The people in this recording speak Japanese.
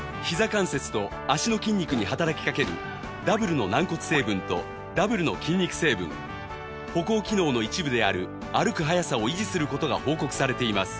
関節と脚の筋肉に働きかけるダブルの軟骨成分とダブルの筋肉成分歩行機能の一部である歩く早さを維持する事が報告されています